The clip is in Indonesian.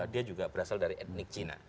dia juga berasal dari etnik cina